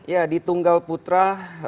ya di tunggal putra